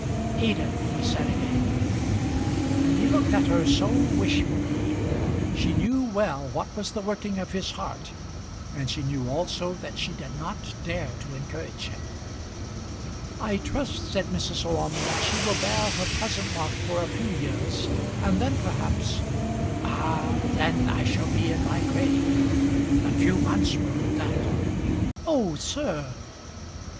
"Edith," he said, again. And he looked at her so wishfully! She knew well what was the working of his heart, and she knew also that she did not dare to encourage him. "I trust," said Mrs. Orme, "that she will bear her present lot for a few years; and then, perhaps " "Ah! then I shall be in my grave. A few months will do that." "Oh, sir!"